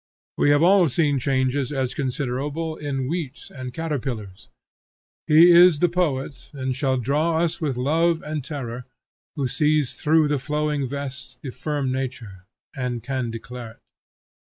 We have all seen changes as considerable in wheat and caterpillars. He is the poet and shall draw us with love and terror, who sees through the flowing vest the firm nature, and can declare it.